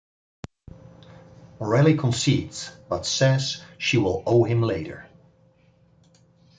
Morelli concedes, but says she will owe him later.